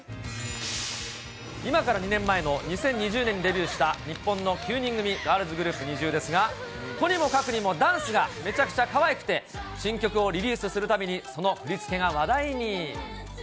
今から２年前の２０２０年にデビューした日本の９人組ガールズグループ、ＮｉｚｉＵですが、とにもかくにもダンスがめちゃくちゃかわいくて、新曲をリリースするたびにその振り付けが話題に。